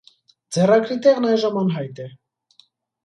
Ձեռագրի տեղն այժմ անհայտ է։